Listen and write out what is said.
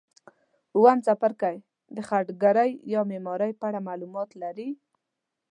اووم څپرکی د خټګرۍ یا معمارۍ په اړه معلومات لري.